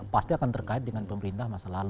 pasti akan terkait dengan pemerintah masa lalu